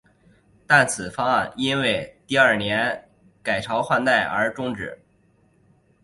但此方案因为第二年改朝换代而中止。